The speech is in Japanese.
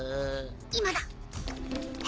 今だ！